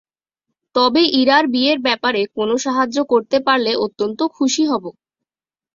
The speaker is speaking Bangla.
তবে ইরার বিয়ের ব্যাপারে কোনো সাহায্য করতে পারলে অত্যন্ত খুশি হব।